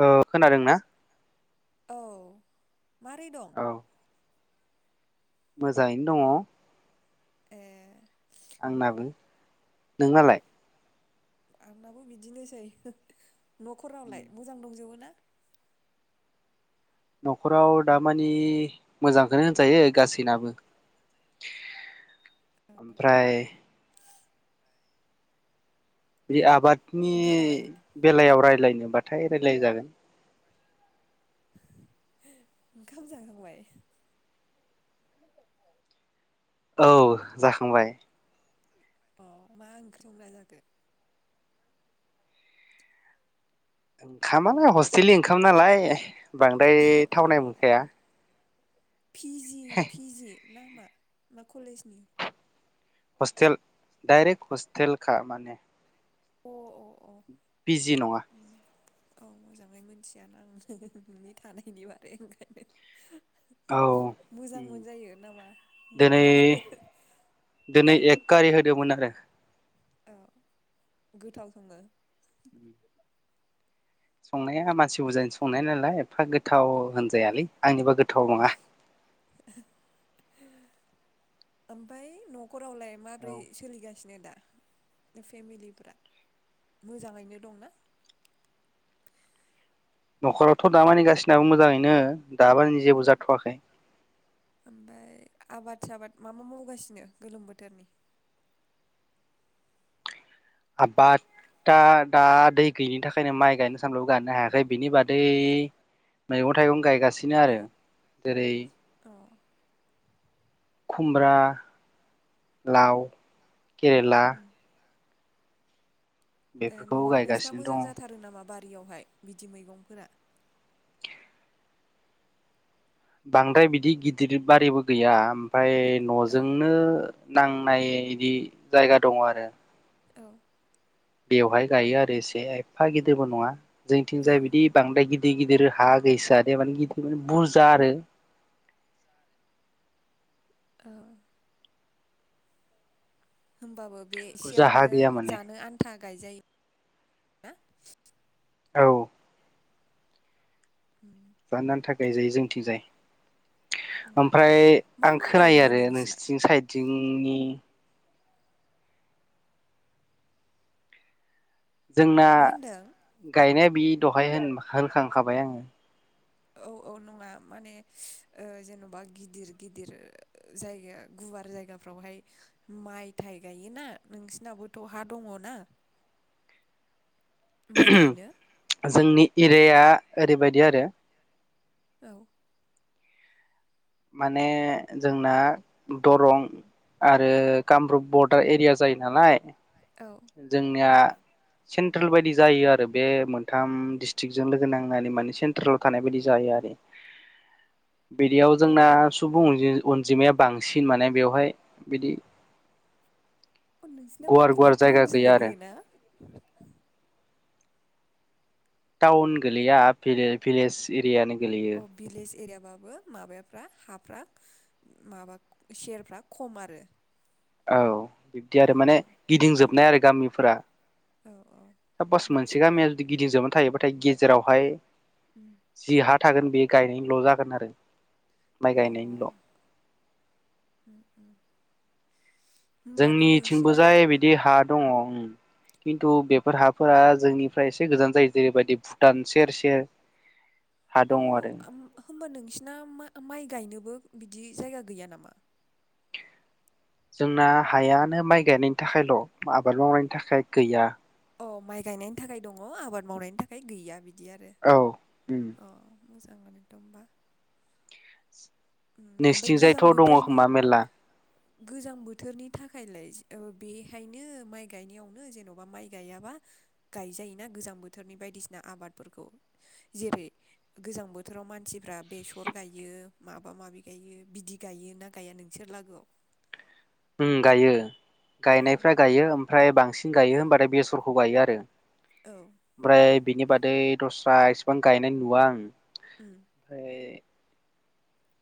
औ खोनादों ना? औ मारै दं? औ मोजाङैनो दङ। ए आंनाबो नोंहालाय? आंनाबो बिदिनोसै। न'खरावलाय मोजां दंजोबो ना? न'खराव दामानि मोजांखौनो होनजायो गासैनाबो। ओमफ्राय बे आबाद नि ओंखाम जाबाय बेलायाव राय रायज्लायनोबाथाय रायज्लाय जागोन। ओंखाम जाखांबाय? औ जाखांबाय। अ मा ओंख्रि संना जाखो ओंखामालाय हस्टेलनि ओंखाम नालाय बांद्राय थावनाय मोनखाया फिजि फिजि ना मा ना कलेजनि हस्टेल डाइरक्ट हस्टेलखा माने अ अ अ फिजि नंङा बेनो। औ मोजांङै मोनथिया ना आंनो नोंनि थानायनि बारै ओंखायनो औ मोजां मोनजायो नामा दिनै ना दिनै एक गारि होदोंमोन आरो औ गोथाव संङो उम संनाया मानसि बुरजानि संनाय नालाय एफा गोथ गोथाव औ होनजायालै आंनिबा गोथाव नंङा [inaudible] ओमफ्राय न नखरावलाय औ माब्रै सोलिगासिनो दा फेमिलिफ्रा मोजांङैनो दंना नखरा थ दामानिगासिनाबो मोजांङैनो दामानि जेबो जाथवाखै ओमफाय आबाद साबाद मा मा मावगासिनो गोलोम बोथोरनि आबादा दा दै गैयिनि थाखायनो माइ गायनो सानलबो गायनो हायाखै बिनि बादै मैगं थाइगं गायगा सिनो औ आरो जेरै अ खुमब्रा लाव केरेला उम ए बेफोरखौ नआव नोंसिना गायगासिनो मोजां जाथारो नामा बार यावहाय बिदि मैगंफोरा बांद्राय बिदि गिदिर बारिबो गैया ओमफ्राय औ नजोंनो नांनाय इदि जायगा दंङ आरो औ बेवहाय गायो आरो एसे एफा गिदिरबो नंङा औ जोंथिंजाय बिदि बांद्राय गिदिर गिदिर हा गैसो दे मान गिदिरे बुरजा आरो औ होमबाबो बे बुरजा हा एसेयावनो गैया माने जानो आन्था गायजायो ना औ [inaudible] बानानि थाखाय जायो जोंथिंजाय उम ओमफ्राय मा आं मा खोनायो गायो आरो नोंसिना? नोंसिथिं साइदथिं उम नि जोंना मा होनदों? गायनाय। बि दहाय होन होनखांखाबाय आङो औ औ नङा माने जेन'बा गिदिर गिदिर जायगा गुवार जायगाफ्रावहाय माइ थाइ गायोना नोंसिनाबोथ' हा दङ ना? माइ गायनो जोंनि। जेया ओरैबायदि आरो। औ। माने जोंना दरं आरो कामरुप बरदार एरिया जायो नालाय औ जोंनिया सेन्ट्रेल बायदि जायो आरो बे मोनथाम डिस्ट्रिक्जों लोगो नांनानै माने सेन्ट्रेल थानाय बायदि जायो आरो। बिदियाव अ जोंना सुबुं अनजिमाया बांसिन माने बेवहाय बिदि अ नोंसिना मा गुवार गुवार गोलैयो? जायगा टाउनसो गैया आरो गोलैयोना। टाउन गोलैया भिलेज एरियानि अ भिलेज एरिया। ओमबाबो माबाफ्रा हाफ्रा माबा सेरफ्रा खम आरो औ। बिब्दि आरो माने गिदिंजोबनाय आरो गामिफोरा आरो गामिफोरा सापास मोनसे गामिया जुदि गिदिंजोबनानै थायोबा। नाथाय गेजेरावहाय गेजेरावहाय जि हाद थागोन बेयो गायनायनिल जागोन आरो माइ उम अ गायनायनिल उम उम होमबाथ' नोंसिना जोंनिथिंबोजाय बिदि हा दङ खिथु बे हाफोरा जोंनिफ्राय एसे गोजान जायो जेरैबायदि भुटान सेर सेर हा अ दङ आरो। ओम होमबा नोंसिना माइ माइ गायनोबो बिदि जायगा गैया नामा? जोंना हायानो माइ गायनायनि थाखायल आबाद मावनायनि थाखाय गैया। औ माइ गायनायनि थाखाय दङ आबाद मावनायनि थाखाय गैया बिदि। बिदि आरो। औ उम अ। मोजां आनोथ होमबा। उम ओमफ्राय गोजां नोंसोनिथिंजायथ दङ बोथोरनि खोमा मेरला। गोजां बोथोरनि थाखायलाय ओ बेहायनो माइ गायनायावनो जेनबा माइ गायाबा गायजायोना गोजां बोथोरनि बायदिसिना आबादफोरखौ जेरै- गोजां बोथोराव मानसिफ्रा बेसर गायो। माबा माबि गायो बिदि गायो ना गाया नोंसोर लागोआव? उम गायो। अ गायनायफ्रा गायो ओमफ्राय बांसिन गायो होमबाथाय बेसरखौ गायो आरो अ ओमफ्राय बिनि बादै दस्रा इसिबां गायनाय नुवा आं। ओमफ्राय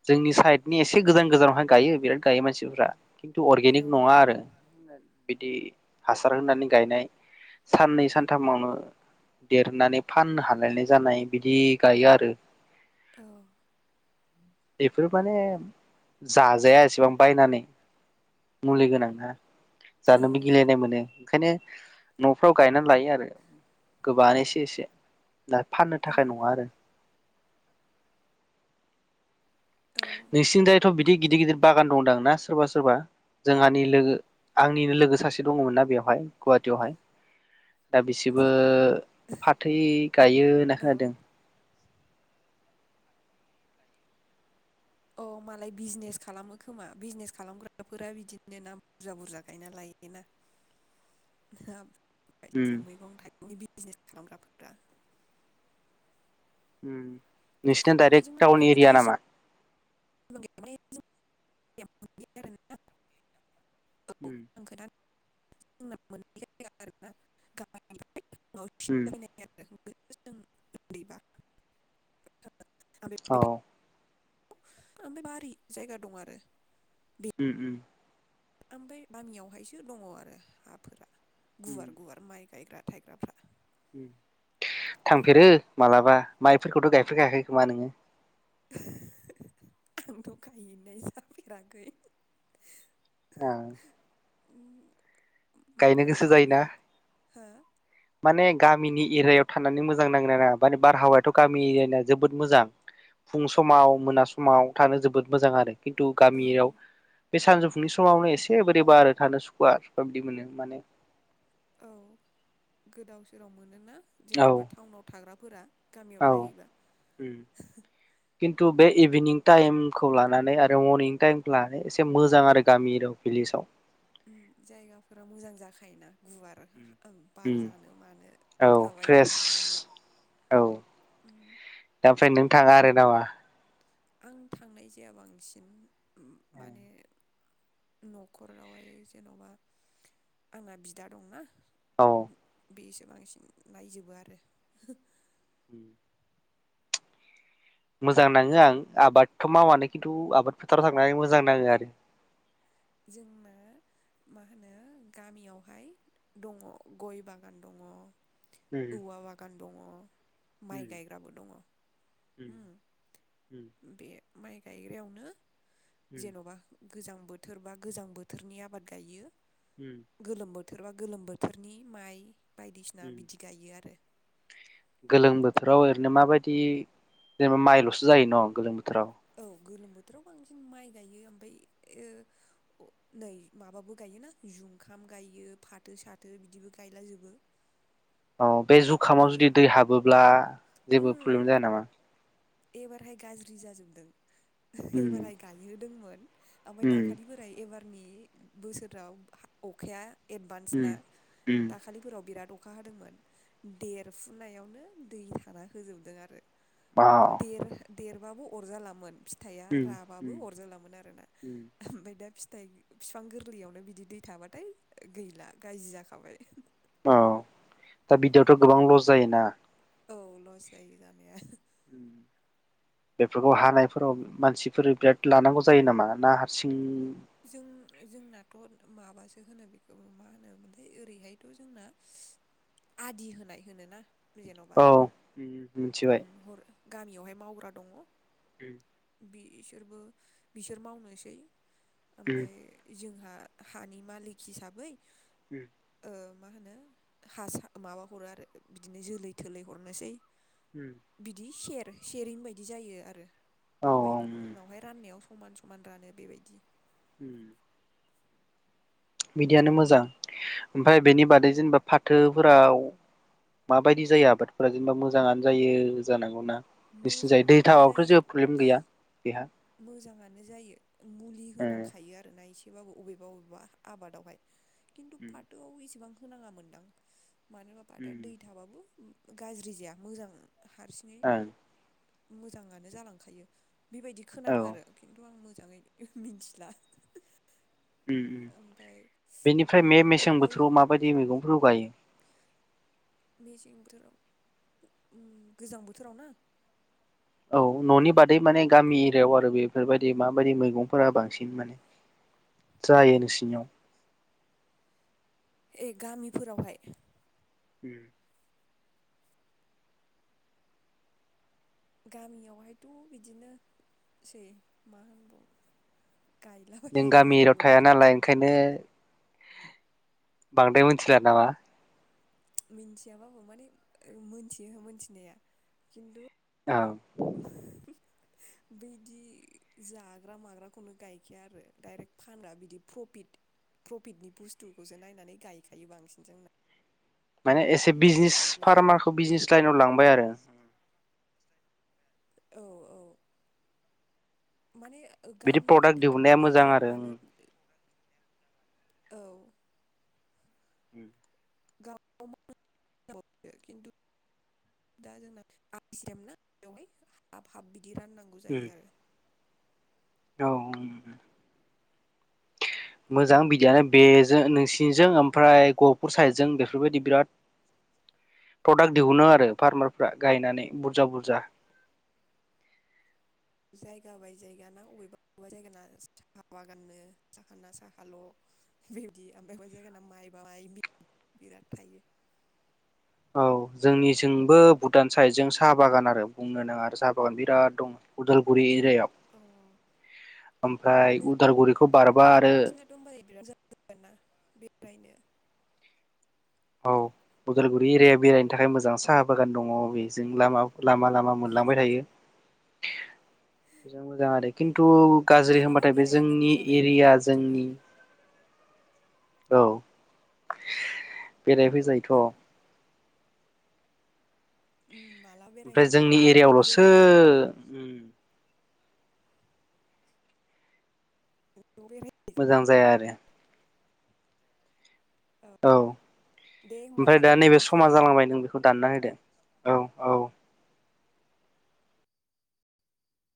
जोंनि साइडनि एसे गोजान गोजानावहाय गायो बिराद गायो मानसिफ्रा। खिन्थु अर्गेनिक औ नङा आरो। बिदि हासार होनानै गायनाय। साननै उम सानथामावनो देरनानै फाननो हालायनाय जानाय बिदि गायो आरो। औ बेफोर माने जाजाया एसेबां बायनानै उम औ मुलि उम गोनां उम ना जानोबो गिलायनाय मोनो। ओंखायनो नफ्राव गायनानै लायो आरो गोबांआनो एसे एसे दा फाननो औ थाखाय नङा आरो औ नोंसिनि दायथ बिदि गिदिर गिदिर बागान दंदां ना सोरबा सोरबा जोंहानि लोगो आंनिनो लोगो सासे दङमोनना बेवहाय गुवाहाटियावहाय। दा बिसोरबो फाथै गायो होनना औ खोनादों। अ मालाय बिजनेस खालामो खोमा बिजनेस खालामग्राफोरा बिदिनो ना बुरजा बुरजा गायना लायोना हा। उम दिना मैगं थाइगंनि बिजनेस खालामग्रा फोथा उम नोंसिना दडाइरेक्ट जोंना टाउन बिदि एरिया नामा? एसेबां [unintelligible] आं उम [unintelligible] [unintelligible] जों उम उन्दैबा औ [unintelligible] ओमफ्राय बारि जायगा दं आरो बे उम उम ओमफ्राय गामियाव हायसो दङ आरो हाफोरा उम गुवार गुवार माइ गायग्रा थायग्राफ्रा उम दा थांफेरो मालाबा माइ फोरखौथ' गायफेरखायाखै खोमा नोङो आंथ' गायनाय जाफेराखै ओ गायनो माने गोसो जायोना गामियाव हो माने गामिनि एरियायाव थानानै मोजां नाङो ना नाङा मे बारहावायाथ' गामि एरियाना जोबोद मोजां फुं समाव मोना समाव थानो जोबोद मोजां आरो खिन्थु औ गामियाव बे सानजौफुंनि समावनो एसे बोरैबा आरो थानो सुखुवा सुखवा बिदि मोनो माने औ गोदाव सोराव मोनो ना औ जेन'बा टाउनाव थाग्रा फोरा औ उम खिन्थु बे इभिनिं टाइमखौ लानानै आरो मरनिं टाइमखौ लानानै एसे मोजां आरो गामि एरियाआव भिलेजाव उम जायगाफोरा मोजां जाखायोना गुवार उम बार उम जानो मानो औ थाबायनो फ्रेस माबायनो औ उम दा ओमफ्राय नों थाङा आरो नामा आं थांनाय जाया बांसिन माने न'खरावहाय जेन'बा आंना बिदा दंना औ बेसो बांसिन नायजोबो आरो उम मोजां नाङो आं आबादथ' मावानो खिन्थु आबाद फोथाराव थांनानै मोजां नाङो आरो जोंना मा होनो गामियावहाय दङ गय बागान दङ उम औवा बागान दङ माइ उम गायग्राबो दङ होम उम बे माइ गायग्रायावनो उम जेन'बा गोजां बो बोथोरबा गोजां बोथोरनि आबाद गायो। उम गोलोम बो थोरबा गोलोम बोथोरनि माइ बायदिसिना उम बिदि गायो आरो गोलोम बोथोराव ओरैनो माबायदि जेनेबा माइल'सो जायो न' गोलोम बो थोराव औ गोलोम बोथोराव बांसिन माइ गायो ओमफाय ओ नै माबाबो गायोना जुंखाम गायो फाथो साथो बिदिबो गायला जोबो। औ बे जुखामाव जुदि दै हाबोब्ला जेबो प्रब्लेम उम जाया नामा? एबारहाय गाज्रि जाजोबदों। उम एबारहाय गायोहोदोंमोन। ओमफाय उम दाखालि फोराइ एबार बि बोसोराव अखाया एडभान्स उम ना उम दाखालिफोराव बिराद अ अखा हादोंमोन देरफुनायावनो दै थाना होजोबदों आरो। औ देर देरबाबो अरजालामोन फि थाइआ उम राबाबो उम अरजालोन आरो ना उम ओमफाय दा फि नाथाय फिफां गोरलैयावनो बिदि दै थाबाथाय गैला गाज्रि जाखाबाय अ दा बिदियावथ' जेबो गोबां लस जायोना औ लस जायो जानाया। बेफोरखौ हानायफोराव मानसिफोर बिराद लानांगौ जायो नामा ना हारसिं? जों जोंनाथ' माबासो होनो बेखौ मा होनो मोनथाय ओरैहायथ' जोंना आदि होनाय होनोना जेन'बा औ मिथिबाय उम गामियावहाय मावग्रा दङ। उम बिसोरबो बिसोर मावनोसै उम ओमफ्राय जोंहा हानि मालिक हिसाबै उम ओ मा होनो हासा माबा हरो आरो बिदिनो जोलै थोलै हरनोसै। बिदि से सेरिं बायदि जायो आरो। औ ओमफ्राय औ उनावहाय राननायाव। समान समान रानो बेबायदि। उम। बिदियानो मोजां। ओमफ्राय बेनि औ बादै जेनेबा फाथोफोराव। माबायदि जायो आबादफोरा जेनेबा मोजाङानो जायो जानांगौना। बिसिनिजाय दै मोजाङानो थाबाबोथ' जायो। जेबो प्रब्लेम गैया बेहा। मोजाङानो जायो मुलि ओं होनांखायो आरो बा एसेबाबो अबेबा अबेबा आबादावहाय। खिन्थु फाथोआव एसेबां होनाङा मोनदां। मानो होनबा फाथोआ दै थाबाबो। गाज्रि जाया मोजां हारसिङै ओं मोजाङानो जालांखायो बेबायद औ खोनादों आरो खिन्थु आं मो‌ मोजाङै मिनथिला। उम उम बेनिफ्राय उम मे-मेसें बोथोराव माबायदि मैगंफोरखौ गायो? मेसें बोथोराव गोजां बोथोराव ना? औ न'नि बादै माने गामि एरियायाव आरो बेफोरबायाददि माबायदि मैगंफोरा बांसिन माने जायो नोंसिनियाव। ए गामिफोरावहाय उम। गामियावहायथ' बिदिनोसै मा होनबावनो। नों गायलाबायो गोजां गामिरयाव थाया बोथोरनि नालाय ओंखायनो बांद्राय मिथिला नामा? मिथियाबाबो माने मोनथियो मोनथिनाया खिन्थु‌ औ [unintelligible] बैदि जाग्रा माग्राखौनो गायखाया आरो डाइरेक्ट फानग्रा बिदि प्रफिट-प्रफिटनि बुस्थुखौसो नायनानै गायखायो बांसिन जोंना। माने एसे बिजनेस बेबायदि आरो फार्मारखौ बिजनेस लाइनाव लांबाय आरो। औ औ। माने बिदि गामियावहाय प्रडाक्ट दिहुननाया थानानै मोजां आरो जोंहानो औ। उम। [unintelligible] खिन्थु [unintelligible] दि राननांगौ जायो आरो। औ मोजां आरो बिदियानो बेजो नै सिंजों आमफ्राय गफुरसायजों बेफोरबफयदि बिरादय प्रदाक दिहुनो आरो फारमायफोरा गयनानै बुरजा बुरजा [inaudible] जायगा बाय जायगाना अबेबा अबेबा जायगाना साहा बागाननो साखानना साखाल' बेबायदि ओमफाय अबा जायगाना माइ बाइ बि बिराद थायो। औ जोंनिसोंबो भुटान साइद जों साहा बागान आरो बुंनो नाङा आरो साहा बागान बिराद दं उदालगुरि अ [unintelligible] ओमफाय उदालगुरिखौ बारबा आरो ब्रायनो औ अदालगुरि एरिया बेरायनो थाखाय मोजां साहा बागान दङ' बेजों लामाब लामा लामा मोनलांबाय थायो। मोजां मोजां आरो खिन्थु गाज्रि मालाबा होनबाथाय बे बेरायहैनांगौ जोंनि जाबाय एरिया होमबालाय बिदिबा जोंनि औ [inaudible] बेराय औ फैजायोथ' उम माला ओमफ्राय बेरायहैबा जोंनि ज' एरियायावल'सो बेरायहै उम ज' बेराय औ मोजां जाया आरो औ दे ओमफाय होमबालाय दा नैबे दोनथ'नोसै समा दे जालांबाय नों बेखौ दानना होदो। औ औ